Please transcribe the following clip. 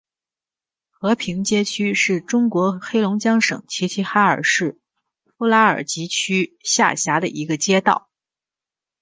和平街道是中国黑龙江省齐齐哈尔市富拉尔基区下辖的一个街道。